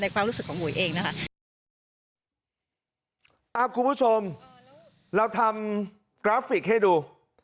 ความรู้สึกของหุยเองนะคะอ่าคุณผู้ชมเราทำกราฟิกให้ดู